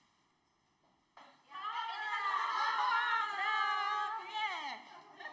dukung pak ahok